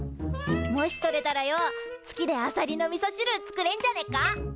もし採れたらよ月であさりのみそしる作れんじゃねっか？